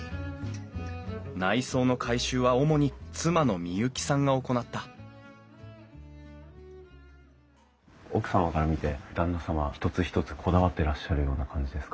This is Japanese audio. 内装の改修は主に妻の美雪さんが行った奥様から見て旦那様は一つ一つこだわってらっしゃるような感じですか？